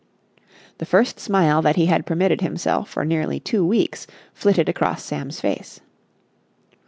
The first smile that he had permitted himself for nearly two weeks flitted across Sam's face.